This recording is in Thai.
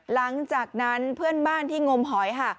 หลังจากนั้นเพื่อนบ้านที่งมหอยค่ะ